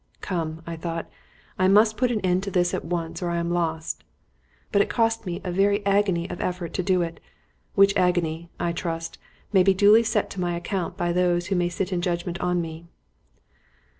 "Come," I thought, "I must put an end to this at once, or I am lost." But it cost me a very agony of effort to do it which agony, I trust, may be duly set to my account by those who may sit in judgement on me.